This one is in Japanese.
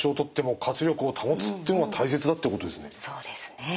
そうですね。